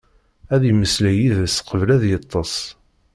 Ad yemmeslay yid-s qbel ad yeṭṭeṣ.